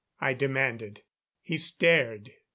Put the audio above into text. I demanded. He stared.